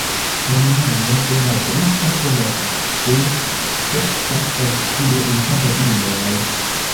La nomo de la grupo venas de seksa pozicio inter inoj.